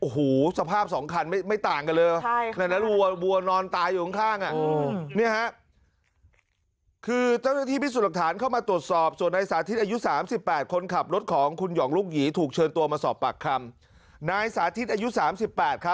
อ้อหูสภาพ๒คันไม่ต่างกันเลยนะแต่ว่ามันว่านอนตายอยู่ข้าง